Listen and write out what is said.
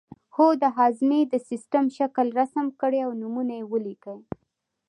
هو د هاضمې د سیستم شکل رسم کړئ او نومونه یې ولیکئ